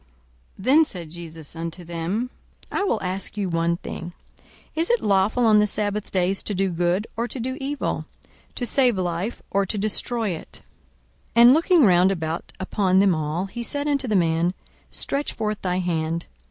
42:006:009 Then said Jesus unto them, I will ask you one thing; Is it lawful on the sabbath days to do good, or to do evil? to save life, or to destroy it? 42:006:010 And looking round about upon them all, he said unto the man, Stretch forth thy hand.